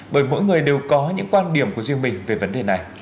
bởi mỗi người đều có những quan điểm của riêng mình về vấn đề này